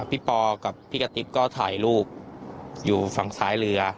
ปอกับพี่กะติ๊บก็ถ่ายรูปอยู่ฝั่งซ้ายเรือ